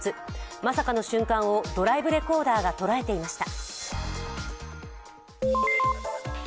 まさかの瞬間をドライブレコーダーが捉えていました。